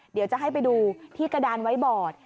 เดี๋ยวจะให้ไปดูที่กระดานไว้บอด